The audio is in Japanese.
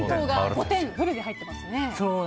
５点、フルで入ってますね。